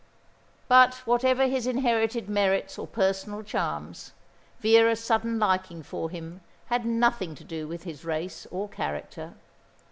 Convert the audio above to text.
But whatever his inherited merits or personal charms, Vera's sudden liking for him had nothing to do with his race or character.